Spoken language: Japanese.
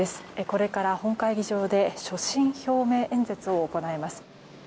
これから本会議場で所信表明演説を行います。